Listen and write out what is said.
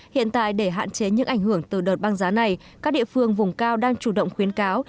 hiện tại để hạn chế những ảnh hưởng từ đợt băng giá này các địa phương vùng cao đang chủ động khuyến cáo